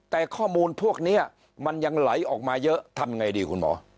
แต่ข้อมูลพวกนี้มันยังไหลออกมาเยอะทำไงดีคุณหมอ